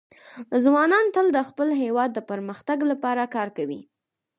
ځوانان تل د خپل هېواد د پرمختګ لپاره کار کوي.